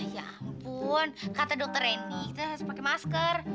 ya ampun kata dokter reni kita harus pakai masker